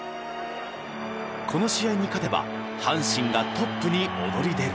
この試合に勝てば阪神がトップに躍り出る。